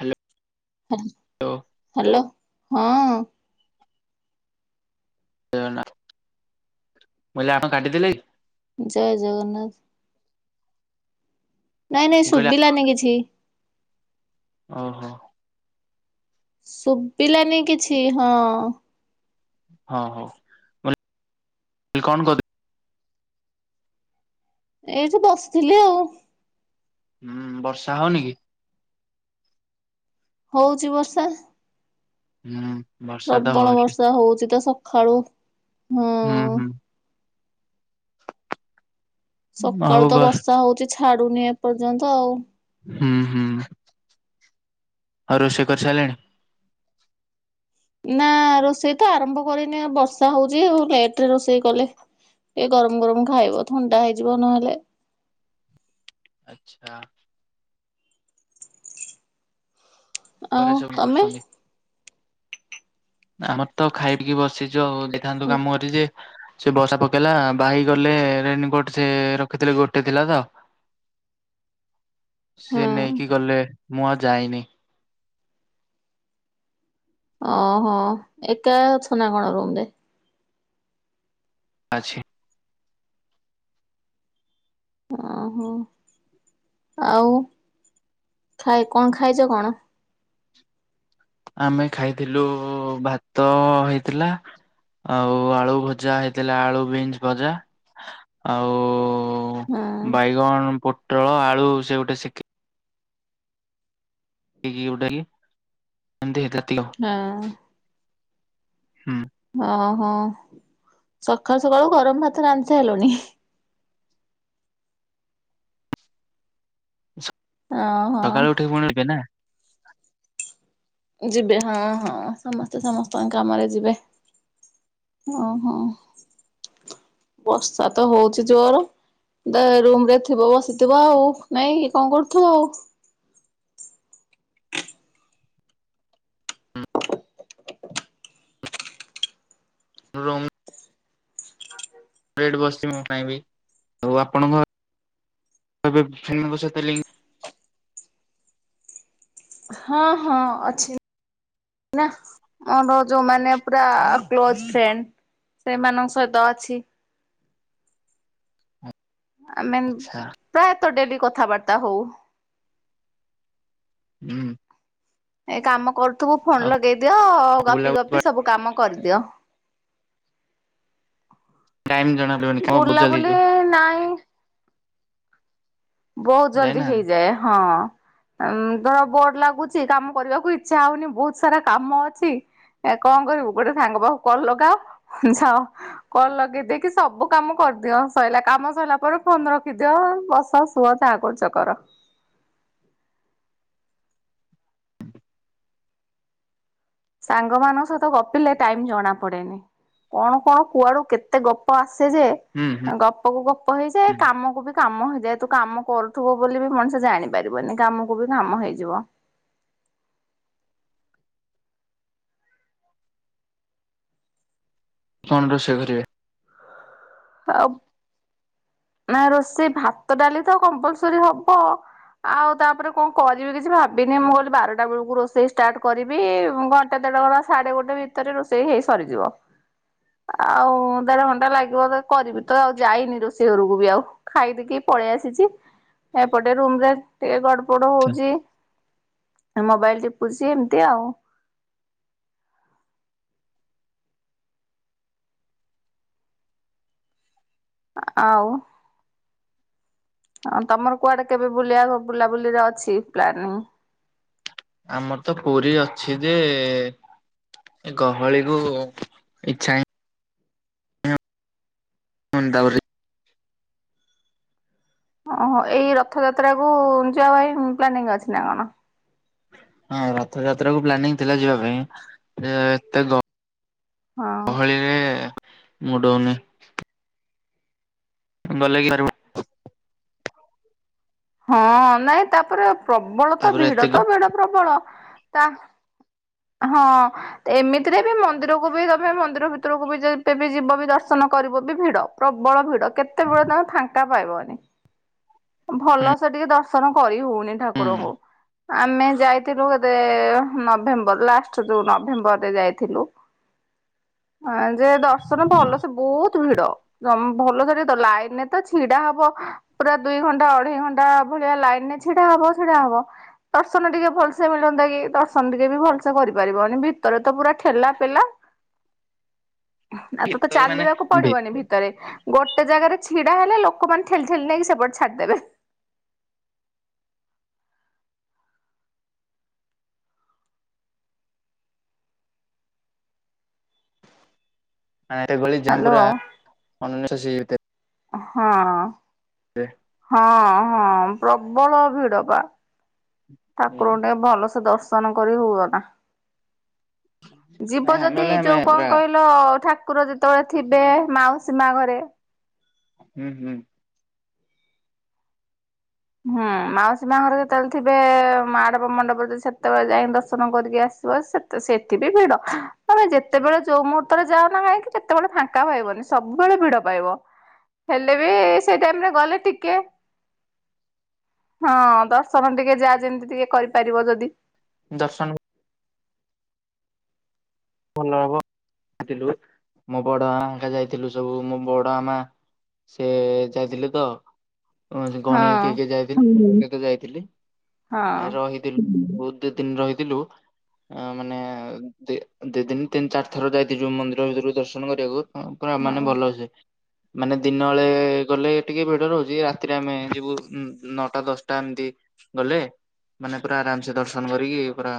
Hello hello ହଁ ଅଁ [unintelligible] ଆମ କାଟିଦେଲେ କି? ଜୟ ଜଗନ୍ନାଥ। ନାଇଁ ନାଇଁ ମୁଁ କହିଲି ଶୁଭିଲାନି କିଛି। ଓହୋ। ଶୁଭିଲାନି କିଛି ହଁ ହଁ ହଉ। ମୁଁ କହିଲି କଣ କରୁ ଏଇଠି ବସିଥିଲି ଆଉ। ହୁଁ ବର୍ଷା ହଉନି କି? ହଉଚି ବର୍ଷା। ହୁଁ। ବର୍ଷା ତ ପ୍ରବଳ ହଉଛି ବର୍ଷା ହଉଚି ତ ସଖାଳୁ ହୁଁ ହୁଁ ହୁଁ। ସକାଳୁ ଆଉ ତ ଘର ବର୍ଷା ହଉଚି ଛାଡୁନି ଏପର୍ଯ୍ୟନ୍ତ ଆଉ। ହୁଁ ହୁଁ। ଆଉ ରୋଶେଇ କରି ସାରିଲେଣି? ନା ଆଁ ରୋଷେଇ ତ ଆରମ୍ଭ କରିନି ବର୍ଷା ହଉଛି ଲେଟରେ ରୋଷେଇ କଲେ ଏ ଗରମ ଗରମ ଖାଇବ ଥଣ୍ଡା ହେଇଯିବ ନହେଲେ। ଆଚ୍ଛା। ଆଉ ଘରେ ସବୁ ତମେ? କରୁଛନ୍ତି ଆମର ତ ଖାଇପିଇକି ବସିଛୁ ଆଉ ଯାଇଥାନ୍ତୁ କାମ କରି ଯେ ସେ ବର୍ଷା ପକେଇଲା ଭାଇ ଗଲେ ରେନିକୋଟ ସେ ରଖିଥିଲେ ଗୋଟେ ଥିଲା ତ ସିଏ ହଁ ନେଇକି ଗଲେ ମୁଁ ଆଉ ଯାଇନି। ଓହୋ ଏକା ଅଛ ନା କଣ ରୁମ ରେ? ଆଚ୍ଛା। ଓହୋ ଆଉ ଖାଇ କଣ ଖାଇଚ କଣ? ଆମେ ଖାଇଥିଲୁ ଉ ଭାତ ହେଇଥିଲା ଆଉ ଆଳୁ ଭଜା ହେଇଥିଲା ଆଳୁ ବିନ୍ସ୍ ଭଜା ଆଉ ହଁ ଉ-ବାଇଗଣ, ପୋଟଳ, ଆଳୁ, ସେ ଗୋଟେ ସେକେ ହଁ [unintelligible] ଓହୋ ସକାଳୁ ସକାଳୁ ଗରମ୍ ଭାତ ରାନ୍ଧି ସାରିଲୁଣି। ଓହୋ ସକାଳୁ ଉଠିକି ପୁଣି। [unintelligible] ଯିବେ ହଁ- ହଁ ସମସ୍ତେ ସମସ୍ତଙ୍କ କାମରେ ଯିବେ। ଓହୋ ବର୍ଷା ତ ହଉଚି ଜୋର। [unintelligible] ରୁମ୍ ରେ ଥିବ ବସିଥିବ ଆଉ ନାଇଁକି କଣ କରୁଥିବ ଆଉ। ରୁମ୍। [inaudible] ହଁ- ହଁ ଅଛି। ନା ମର ଯଉ ମାନେ ପୁରା କ୍ଲୋଜ୍ ଫ୍ରେଣ୍ଡ୍ ସେଇମାନଙ୍କ ସହିତ ଅଛି। ଆମେ ଆଚ୍ଛା ପ୍ରାୟତ ଡେଲି କଥାବାର୍ତ୍ତା ହଉ। ହୁଁ। ଏଇ କାମ କରୁଥିବୁ ଫୋନ୍ ଆଉ ଲଗେଇ ଦିଅ ଗପି ବୁଲାବୁଲି ଗପି କୁଆଡେ ସବୁ କାମ କରିଦିଅ। ଟାଇମ୍ ଜଣା ପଡୁନି [unintelligible] ଏ ନାଇଁ। ବହୁତ ଜଲ୍ଦି ଯାଇନାହାନ୍ତି ହେଇଯାଏ ହଁ। ଉଁ- ଦ ବୋର୍ ଲାଗୁଚି କାମ କରିବାକୁ ଇଚ୍ଛା ହଉନି ବହୁତ୍ ସାରା କାମ ଅଛି। ଏ କଣ କରିବୁ ଗୋଟେ ସାଙ୍ଗ ପାଖକୁ କଲ୍ ଲଗାଅ ଯାଅ। କଲ୍ ଲଗେଇ ଦେଇକି ସବୁ କାମ କରିଦିଅ ସଇଲା କାମ ସଇଲା ପରେ ଫୋନ୍ ରଖିଦିଅ ବସ। [unintelligible] ଯାହା କରୁଚ କର। ସାଙ୍ଗ ମାନଙ୍କ ସହିତ ଗପିଲେ ଟାଇମ୍ ଜଣା ପଡେନି। କଣ କଣ କୁଆଡୁ କେତେ ଗପ ଆସେ ଯେ ହୁଁ ହୁଁ। ଗପ କୁ ଗପ ହେଇଯାଏ ହୁଁ କାମକୁ ବି କାମ ହେଇଯାଏ ତୁ କାମ କରୁଥିବୁ ବୋଲି ବି ମଣିଷ ଜାଣିବ ପାରିବନି କାମକୁ ବି କାମ ହେଇଯିବ। କଣ ରୋଷେଇ କରିବେ? [inaudible] ନା ରୋଷେଇ ଭାତ ଡାଲି ତ କମ୍ପଲସରୀ ହବ। ଆଉ ତାପରେ କଣ କରିବି କିଛି ଭାବିନି ମୁଁ କହିଲି ବାରଟା ବେଳକୁ ରୋଷେଇ ଷ୍ଟାର୍ଟ କରିବି ଘଣ୍ଟେ ଦେଢ ଘଣ୍ଟା ସାଢେ ଗୋଟେ ଭିତରେ ରୋଷେଇ ହେଇ ସରିଯିବ। ଆଉ ଦେଢ ଘଣ୍ଟା ଲାଗିବ କରିବି ତ ଆଉ ଯାଇନି ରୋଷେଇ ରୋଷେଇ ଘରକୁ ବି ଆଉ ଖାଇଦେଇକି ପଳେଇ ଆସିଚି। ଏପଟେ ରୁମ୍ ରେ ଟିକେ ଗଡ ପଡ ହଉଚି ମୋବାଇଲ୍ ଟିପୁଚି ଏମିତି ଆଉ। ଆ- ଆଉ। ହଁ ତମର କୁଆଡେ କେବେ ବୁଲିବା ବୁଲାବୁଲିରେ ଅଛି ପ୍ଲାନିଙ୍ଗ୍? ଆମର ତ ପୁରୀ ଅଛି ଯେ ଏ ଗହଳି କୁ ଇଚ୍ଛା ହିଁ [unintelligible] ଓହୋ ଏଇ ରଥଯାତ୍ରା କୁ ଯିବା ପାଇଁ ପ୍ଲାନିଙ୍ଗ୍ ଅଛି ନା କଣ? ହଁ ରଥଯାତ୍ରା କୁ ପ୍ଲାନିଙ୍ଗ୍ ଥିଲା ଯିବା ପାଇଁ ଏତେ ଗ ହଁ। ଗହଳିରେ ମୁଡ୍ ହଉନି। [unintelligible] ହଁ ନାଇଁ ତାପରେ ପ୍ରବଳ ତ ତାପରେ ଏତେ ଭିଡ ଗ ତ ଭିଡ ପ୍ରବଳ ତା ହଁ। ଏମିତିରେ ବି ମନ୍ଦିରକୁ ବି ତମେ ମନ୍ଦିର ଭିତରକୁ ବି ଯେବେ ବି ଯିବ ବି ଦର୍ଶନ କରିବ ବି ଭିଡ। ପ୍ରବଳ ଭିଡ଼ କେତେବେଳେ ତମେ ଫାଙ୍କା ପାଇବନି। ହୁଁ ଭଲସେ ଟିକେ ଦର୍ଶନ କରି ହଉନି ହୁଁ ଠାକୁରଙ୍କୁ। ଆମେ ଯାଇଥିଲୁ ରେ ନଭେମ୍ବର ଲାଷ୍ଟ ଯୋଉ ନଭେମ୍ବରରେ ଯାଇଥିଲୁ। ଆ ଯେ ଦର୍ଶନ ଭଲ ସେ ବୋହୁତ ଭିଡ ଭଲ ସାର ତ ଲାଇନରେ ତ ଛିଡା ହବ ପୁରା ଦୁଇ ଘଣ୍ଟା ଅଢେଇ ଘଣ୍ଟା ଭଳିଆ ଲାଇନ ରେ ଛିଡା ହବ ଛିଡା ହବ ଦର୍ଶନ ଟିକେ ଭଲସେ ମିଳନ୍ତା କି ଦର୍ଶନ ଟିକେ ବି ଭଲସେ କରିପାରିବନି ଭିତରେ ତ ପୁରା ଠେଲା ପେଲା ଆଉ ତତେ ଭିତରୁ ମାନେ ଚାଲିବାକୁ ପଡିବନି ଭିତ ଭିତରେ। ଗୋଟେ ଜାଗାରେ ଛିଡ଼ା ହେଲେ ଲୋକମାନେ ଠେଲି ଠେଲି ନେଇକି ସେପଟେ ଛାଡ଼ିଦେବେ। ନାଇଁରେ ଗୋଳି ହ୍ୟାଲୋ ଝାମ୍ବୁରା ଅନନ୍ୟ ହଁ ହଁ ହଁ ପ୍ରବଳ ଭିଡ ବା। ହୁଁ ଠାକୁରଙ୍କୁ ଟିକେ ଭଲସେ ଦର୍ଶନ କରି ହୁଅନା। ଯିବ ନାଇଁ ଆମେ ଯଦି ଗଲେ ଏଇ ଆମେ ଯୋଉ କଣ ପୁରା କହିଲ ଠାକୁର ଯେତେବେଳେ ଥିବେ ମାଉସୀ ମା ଘରେ। ହୁଁ ହୁଁ। ହୁଁ ମାଉସୀ ମା ଘରେ ଯେତେବେଳେ ଥିବେ ମାଡ଼ପ ମଣ୍ଡପରେ ସେତେବେଳେ ଯାଇ ଦର୍ଶନ କରିକି ଆସିବ। ତ ସେଠି ବିି ଭିଡ। ତମେ ଯେତେବେଳେ ଯୋଉ ମୁହୂର୍ତ୍ତରେ ଯାଅନା କାହିଁକି କେତେବେଳେ ଫାଙ୍କା ପାଇବନି ସବୁବେଳେ ଭିଡ ପାଇବ। ହେଲେ ବି ସେଇ ଟାଇମ ରେ ଗଲେ ଟିକେ ହଁ ଦର୍ଶନ ଟିକେ ଯା ଯେମିତି ଟିକେ କରିପାରିବ ଯଦି। ଦର୍ଶନ ଭଲ ହବ ଥିଲୁ ମୋ ବଡ ମାଙ୍କା ଯାଇଥିଲୁ ସବୁ ମୋ ବଡ ମା ମା ସେ ଯାଇଥିଲେ ତ। କ ହଁ ଗଣ କିଏ କିଏ ଯାଇଥିଲେ ତ ଯାଇଥିଲି ହଁ ନାଇ ରହି ବହୁତ ଦିନ ରହିଥିଲୁ ମାନେ। ଦି ଦିନ ତିନି ଚାରି ଥର ଯାଇଥିଲ ଯୋଉ ମନ୍ଦିର ଭିତରକୁ ଦର୍ଶନ କରିବାକୁ ପୁରା ମାନେ ହଁ ଭଲସେ। ମାନେ ଦିନ ବେଳେ ଗଲେ ଟିକେ ଭିଡ ରହୁଛି ରାତିରେ ଆମେ ଯିବୁ ନଅଟା ଦଶଟା ଏମିତି। ଗଲେ, ମାନେ ପୁରା ଆରାମ ସେ ଦର୍ଶନ କରିକି ପୁରା,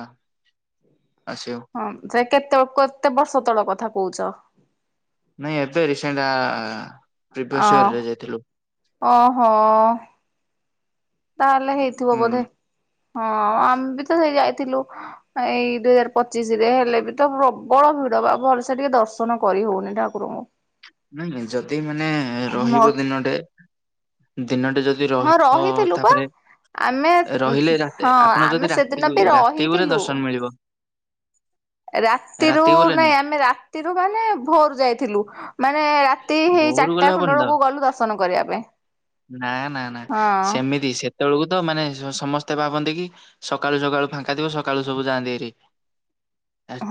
ଆସିବୁ। ହଁ ସେ କେତେ କେତେ ବର୍ଷ ତଳ କଥା କହୁଛ? ନାଇଁ ଏବେ ରିସେଣ୍ଟ ଅ ପ୍ରିଭିୟସ ଇୟର ରେ ଯାଇଥିଲୁ। ଓହୋ। ତାହେଲେ ହେଇଥିବ ହୁଁ ବୋଧେ, ହଁ ଆମେ ବି ତ ସେଇ ଯାଇଥିଲୁ। ଏଇ ଦୁଇ ହଜାର ପଚିଶ ରେ ହେଲେ ବି ତ ପ୍ରବଳ ଭିଡ ବା ଭଲସେ ଟିକେ ଦର୍ଶନ କରି ହଉନି ଠାକୁର। ଠାକୁର ଙ୍କୁ। ନାଇଁ ନାଇଁ ଯଦି ମାନେ ରହିବ ମୋର ଦିନଟେ, ଦିନଟେ ଯଦି। ହଁ ରହିବ ରହିଥିଲୁ ବା। ତାପରେ ଆମେ, ରହିଲେ ରାତି ହଁ ଆପଣ ଯଦି ଆମେ ସେଦିନ ରାତିକୁ ବି ରାତି ଗଲେ ରହିଥିଲୁ। ଦର୍ଶନ ମିଳିବ ରାତିରୁ ରାତି ଗଲେନି ନାଇଁ ଆମେ ରାତିରୁ ମାନେ ଭୋର ରୁ ଯାଇଥିଲୁ। ମାନେ ରାତି ହେଇ ଭୋରୁ ଗଲେ ଚାରିଟା ଖଣ୍ଡେ ହବନି ତ ବେଳକୁ ଗଲୁ ଦର୍ଶନ କରିବା ପାଇଁ। ନା ନା ନା ହଁ ସେମିତି ସେ ସେତେବେଳକୁ ତ ମାନେ ସମସ୍ତେ ଭାବନ୍ତି କି ସକାଳୁ ସକାଳୁ ଫାଙ୍କା ଥିବ ସକାଳୁ ସବୁ ଯାଆନ୍ତି ଭାରି।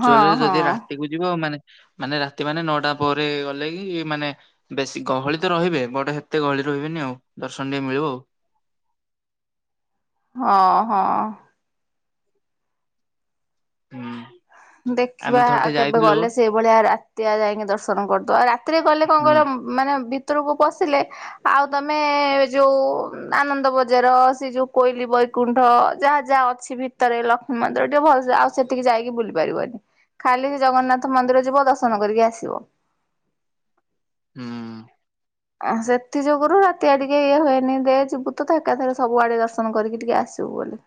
ହଁ ଯଦି ହଁ ରାତିକୁ ଯିବ ମାନେ ମାନେ ରାତି ମାନେ ନଅଟା ପରେ ଗଲେ କି- ମାନେ ବେଶୀ ଗହଳି ତ ରହିବେ ବଟ୍ ସେତେ ଗହଳି ରହିବେନି ଆଉ ଦର୍ଶନ ଟିକେ ମିଳିବ ଆଉ। ହଁ ହଁ। ହୁଁ ଆମେ ଦେଖିବା ଥରଟେ ଆଉ କେବେ ଯାଇଥିଲୁ ଗଲେ ସେଇଭଳିଆ ରାତି ଆ ଯାଇକି ଦର୍ଶନ କରିଦବା ଆଉ ରାତିରେ ଗଲେ କଣ ହୁଁ କହିଲ। ମାନେ ଭିତରକୁ ପଶିଲେ ଆଉ ତମେ ଯୋଉ। ଆନନ୍ଦ ବଜାର ସେ ଯୋଉ- କୋଇଲି ବୈକୁଣ୍ଠ ଯାହା ଯାହା ଅଛି ଭିତରେ ଲକ୍ଷ୍ମୀ ମନ୍ଦିର ଟିକେ ଭଲ ଆଉ ସେତିକି ଯାଇକି ବୁଲି- ବୁଲିପାରିବନି। ଖାଲି ସେ ଜଗନ୍ନାଥ ମନ୍ଦିର ଯିବ ଦର୍ଶନ କରିକି ଆସିବ। ହୁଁ। ସେଥି ଯୋଗୁରୁ ରାତିଆ ଟିକେ ଇଏ ହୁଏନି ଦେ ଯିବୁ ତ ଏକାଥରେ ସବୁଆଡେ ଦର୍ଶନ କରିକି ଟିକେ ଆସିବୁ ବୋଲି।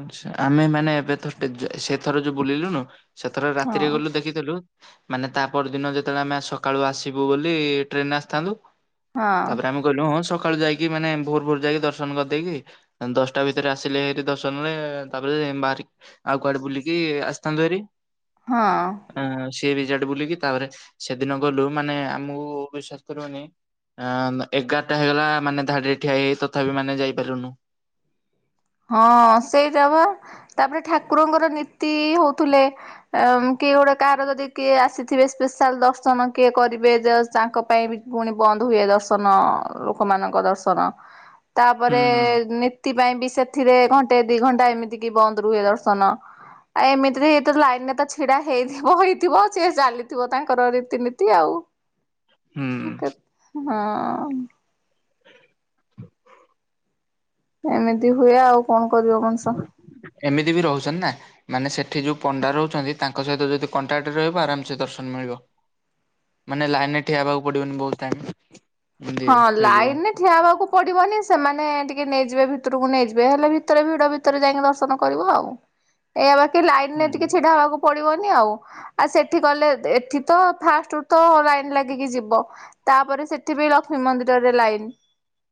ଆଛା ଆମେ ମାନେ ଏବେଥ ସେଥର ଯୋଉ ବୁଲିଲୁନୁ ସେଥର ହଁ ରାତିରେ ଗଲୁ ଦେଖିଦେଲୁ। ମାନେ ତା ପରଦିନ ଯେତେବେଳେ ଆମେ ସକାଳୁ ଆସିବୁ ବୋଲି ଟ୍ରେନ ଆସିଥାନ୍ତୁ। ହଁ ତାପରେ ଆମେ ହଁ ସକାଳୁ ଯାଇକି ମାନେ ଭୋର ଭୋର ଯାଇକି ଦର୍ଶନ କରିଦେଇକି ଦଶଟା ଭିତରେ ଆସିଲେ ହେ ଦଶ ତାପରେ ବାହାରିକି ଆଉ କୁଆଡେ ବୁଲିକି ଆସିଥାନ୍ତୁ ହେରି। ହଁ। ସି ବିଚ୍ ଆଡେ ବୁଲିକି ତାପରେ ସେଦିନ ଗଲୁ ମାନେ ଆମକୁ ବିଶ୍ୱାସ କରିବନି। ଅ ଏଗାରଟା ହେଇଗଲା ମାନେ ଧାଡିରେ ଠିଆ ହେଇ ହେଇ ତଥାପି ମାନେ ଯାଇପାରିଲୁନୁ। ହଁ ସେଇଟା ବା ତାପରେ ଠାକୁରଙ୍କର ନୀତି ହଉଥିଲେ। କିଏ ଗୋଟେ କାହାର ଯଦି କିଏ ଆସିଥିବେ ସ୍ପେଶାଲ ଦର୍ଶନ କିଏ କରିବେ ତାଙ୍କ ପାଇଁ ବି। ପୁଣି ବନ୍ଦ ହୁଏ ଦର୍ଶନ ଲୋକମାନଙ୍କ ଦର୍ଶନ। ହୁଁ ତାପରେ ହୁଁ ନୀତି ପାଇଁ ବି ସେଥିରେ ଘଣ୍ଟେ ଦି ଘଣ୍ଟା ଏମିତି କି ବନ୍ଦ ରୁହେ ଦର୍ଶନ। ଆ ଏମିତି ତ ଲାଇନ ରେ ତ ଛିଡା ହେଇଥିବ ହେଇଥିବ ସିଏ ଚାଲିଥିବ ତାଙ୍କର ରୀତିନୀତି। ଆଉ। ହୁଁ ହଁ। ଏମିତି ହୁଏ ଆଉ କଣ କରିବ ମଣିଷ। ଏମିତି ବି ରହୁଛନ୍ତି ନା। ମାନେ ସେଠି ଯୋଉ ପଣ୍ଡା ରହୁଛନ୍ତି ତାଙ୍କ ସହିତ ଯଦି କଣ୍ଟାକ୍ଟ ରହିବ ଆରାମସେ ଦର୍ଶନ ମିଳିବ। ମାନେ ଲାଇନ ରେ ଠିଆ ହେବାକୁ ପଡିବନି ବହୁତ ଟାଇମ। ଏମିତି ହଁ ହେଇଯିବ ଲାଇନ ରେ ଠିଆ ହେବାକୁ ପଡ଼ିବନି ସେମାନେ ଟିକେ ନେଇଯିବେ ଭିତରକୁ ନେଇଯିବେ ହେଲେ ଭିତରେ ଭିଡ଼ ଭିତରେ ଯାଇକି ଦର୍ଶନ କରିବ ଆଉ। ଏ ବାକି ହୁଁ ଲାଇନରେ ଟିକେ ଛିଡା ହବାକୁ ପଡିବନି ଆଉ। ଆଉ ସେଠି ଗଲେ ଏଠି ତ ଫାଷ୍ଟ ରୁ ତ ଲାଇନ ଲାଗିକି ଯିବ। ତାପରେ ସେଠି ବି ର- ଲକ୍ଷ୍ମୀ ମନ୍ଦିରରେ ଲାଇନ୍।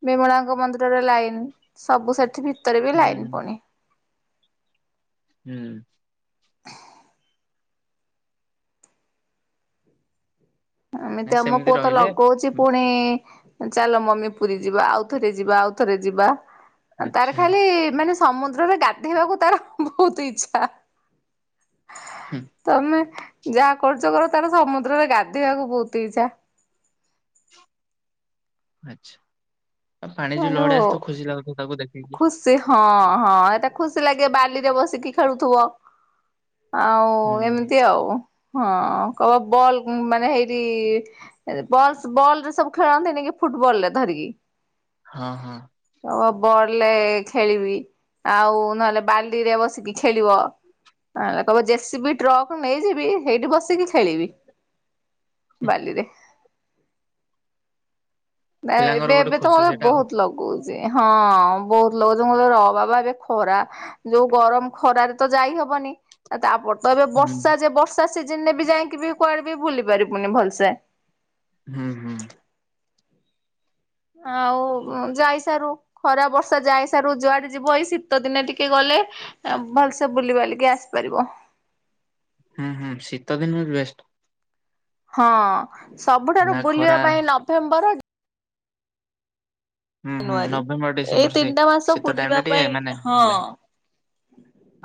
ବିମଳାଙ୍କ ମନ୍ଦିରରେ ଲାଇନ। ସବୁ ସେଠି - ଭିତରେ ବି ଲାଇନି ହୁଁ ପୁଣି। ହୁଁ। [unintelligible] ଏମିତି ନାଇଁ ଆମ ସେମିତି ପୁଅ ତ ରହିଲେ ଲଗଉଛି। ହୁଁ, ପୁଣି ଚାଲ ମମି ପୁରୀ ଯିବା ଆଉ ଥରେ ଯିବା ଆଉଥରେ ଯିବା। ତାର ଆଚ୍ଛା ଖାଲି ମାନେ ସମୁଦ୍ରରେ ଗାଧେଇବାକୁ ତାର ବହୁତ ଇଛା। ହୁଁ ତମେ ଯାହା କରୁଛ କର ତାର ସମୁଦ୍ରରେ ଗାଧୋଇବାକୁ ବହୁତ ଇଛା। ଆଛା ଆଉ ପାଣି ଯୋଉ ଲଢେଇ ଆସ ତ ଖୁସି ଲାଗୁଛି ତାକୁ ଦେଖିକି। ସେ ହଁ ହଁ ଏଟା ଖୁସି ଲାଗେ ବାଲିରେ ବସିକି ଖେଳୁଥିବ। ଆଉ ହୁଁ ଏମିତି ଆଉ ହଁ କ ବଲ ମାନେ ହେଇଠୀ। ବଲ ବଲରେ ସବୁ ଖେଳନ୍ତିନି କି ଫୁଟବଲ ରେ ଧରିକି। ହଁ ହଁ। ହ ବଡ ଲେ ଖେଳିବି ଆଉ ନହେଲେ ବାଲିରେ ବସିକି ଖେଳିବ ନଲେ କହିବ ଜେସିବି ଟ୍ରକ୍ ନେଇଯିବି ହେଇଠି ବସିକି ଖେଳିବି ହୁଁ, ବାଲିରେ ନାଇଁ ପିଲାଙ୍କର ଏବେ ଗୋଟେ ଏବେ ତ ଖୁସି ମୋତେ ସେଟା ଆଉ ବହୁତ୍ ଲଗଉଛି ହଁ ବହୁତ୍ ଲୋକ [unintelligible] ଅହ ବାବା ରେ ଖରା ଯୋଉ ଗରମ ଖରାରେ ତ ଯାଇ ହବନି ତାପ ତ ଏବେ ହୁଁ। ବର୍ଷା ଯେ ବର୍ଷା ସିଜିନ୍ ରେ ବି ଯାଇକି ବି କୁଆଡେ ବି ବୁଲି ପାରିବୁନି ଭଲସେ ହୁଁ ହୁଁ ଆଉ ଯାଇ ସାରୁ ଖରା ବର୍ଷା ଯାଇ ସାରୁ ଯୁଆଡେ ଯିବୁ ଏଇ ଶୀତ ଦିନେ ଟିକେ ଗଲେ ଭଲସେ ବୁଲି ବାଲିକି ଆସିପାରିବ ହୁଁ ହୁଁ ଶୀତଦିନ ବି ବେଷ୍ଟ ହଁ ସବୁଠାରୁ ନା ଖରା ବୁଲିବା ପାଇଁ ନଭେମ୍ବର ହୁଁ ହୁଁ ଜାନୁଆରୀ ନଭେମ୍ବର ଏଇ ଡିସେମ୍ବର ସେ ତିନିଟା ମାସ ଶୀତ ବୁଲିବା ଟାଇମ୍ ଟା ଟିକେ ପାଇଁ ମାନେ ହଁ ଭ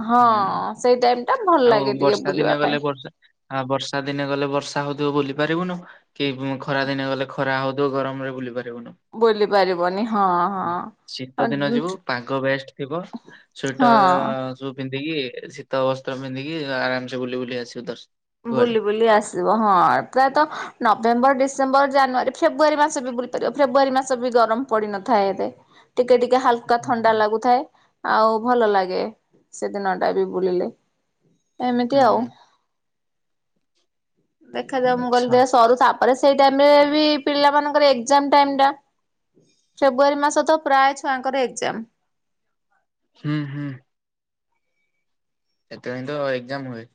ହଁ ହୁଁ ସେଇ ଟାଇମ ଟା ଭଲ ଆଉ ଲାଗେ ଟିକେ ବର୍ଷା ବୁଲିବା ଦିନେ ଗଲେ ପାଇଁ। ବର୍ଷା ଆ ବର୍ଷା ଦିନେ ଗଲେ ବର୍ଷା ହଉଥିବ ବୁଲି ପାରିବୁନୁ କି ଖରା ଦିନେ ଗଲେ ଖରା ହଉ ଗରମରେ ବୁଲି ପାରିବୁନୁ ବୁଲି ପାରିବନି ହଁ ଶୀତ ହଁ ଦିନ ଯିବୁ ପାଗ ବେଷ୍ଟ ଥିବ ସୁଇଟର ହଁ ସ ପିନ୍ଧିକି ଶୀତ ବସ୍ତ୍ର ପିନ୍ଧିକି ଆରାମ ସେ ବୁଲି ବୁଲି ଆସିବୁ ବୁ କୁଆଡେ ବୁଲି ଆସ ସିବ ହଁ ପ୍ରାୟତଃ ନଭେମ୍ବର ଡିସେମ୍ବର ଜାନୁଆରୀ ଫେବୃୟରୀ ମାସ ବି ବୁଲିପାରିବ ଫେବୃୟରୀ ମାସ ବି ଗରମ ପଡି ନଥାଏ ଏବେ ଟିକେ ଟିକେ ହାଲ୍କା ହୁଁ ଥଣ୍ଡା ଲାଗୁଥାଏ ଆଉ ଭଲ ଲାଗେ ସେଦିନ ଟା ବି ବୁଲିଲେ ଏମିତି ଆଉ ହୁଁ ଦେଖାଯାଉ ମୁଁ ଆଚ୍ଛା ଗଲେ ସରୁ ତାପରେ ସେଇ ଟାଇମ୍ ରେ ବି ପିଲାମାନଙ୍କର ଏଗ୍ଜାମ୍ ଟାଇମ୍ ଟା ଫେବୃଆରୀ ମାସ ତ ପ୍ରାୟ ଛୁଆଙ୍କର ଏଗ୍ଜାମ ହୁଁ ହୁଁ ଏଥିପାଇଁ ତ ଏଗ୍ଜାମ ହୁଏ